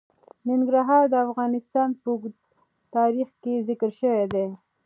ننګرهار د افغانستان په اوږده تاریخ کې ذکر شوی دی.